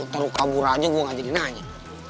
terukabur aja gue gak jadi nanya